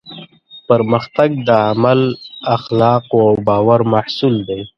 پرمختګ د عقل، اخلاقو او باور محصول دی.